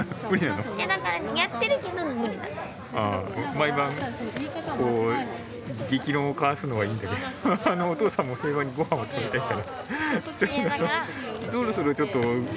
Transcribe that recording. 毎晩こう激論を交わすのはいいんだけどお父さんも平和に御飯を食べたいからそろそろちょっと何か。